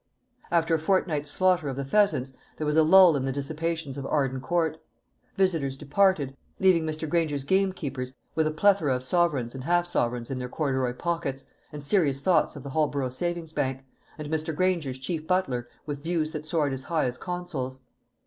After a fortnight's slaughter of the pheasants, there was a lull in the dissipations of Arden Court. Visitors departed, leaving Mr. Granger's gamekeepers with a plethora of sovereigns and half sovereigns in their corduroy pockets, and serious thoughts of the Holborough Savings Bank, and Mr. Granger's chief butler with views that soared as high as Consols.